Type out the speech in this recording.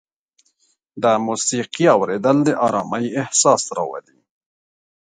د موسیقۍ اورېدل د ارامۍ احساس راولي.